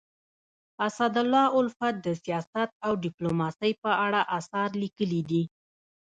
اسدالله الفت د سیاست او ډيپلوماسی په اړه اثار لیکلي دي.